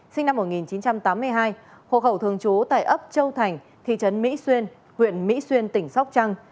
sinh năm một nghìn chín trăm tám mươi hai hộ khẩu thường trú tại ấp châu thành thị trấn mỹ xuyên huyện mỹ xuyên tỉnh sóc trăng